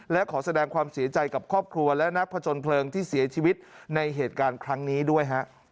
และขอแสดงความเสียใจกับครอบครัวและนักผจญเพลิงที่เสียชีวิตในเหตุการณ์ครั้งนี้ด้วยฮะ